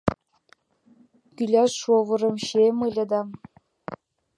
Кӱляш шовырым чием ыле да